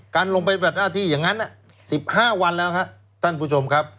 กันลงไปพัดอาทีอย่างนั้นนะ๑๕วันแล้วท่านผู้ชมครับ